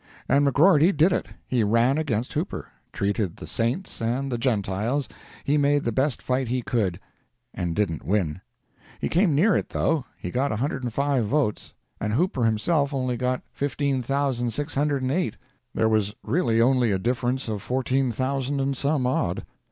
And McGrorty did it. He ran against Hooper, treated the Saints and the Gentiles, he made the best fight he could—and didn't win. He came near it, though. He got 105 votes, and Hooper himself only got 15,608. There was really only a difference of fourteen thousand and some odd.